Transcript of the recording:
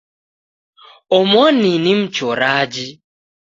Omoni ni mchoraji